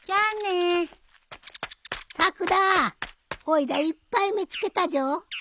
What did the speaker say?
おいらいっぱい見つけたじょ。